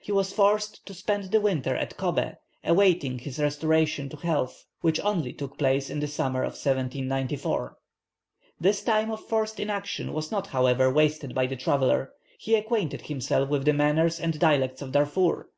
He was forced to spend the winter at Cobbeh, awaiting his restoration to health, which only took place in the summer of 1794. This time of forced inaction was not, however, wasted by the traveller; he acquainted himself with the manners and dialects of Darfur.